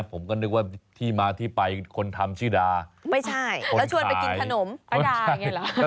ผมก็นึกว่าที่มาที่ไปคนทำชื่อดาไม่ใช่แล้วชวนไปกินขนมป้าดาอย่างนี้เหรอ